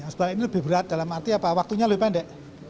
sebab ini lebih berat dalam arti apa waktunya lebih pendek